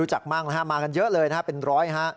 รู้จักรู้จักก็ไม่รู้จัก